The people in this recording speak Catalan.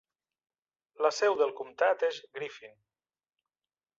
La seu del comtat és Griffin.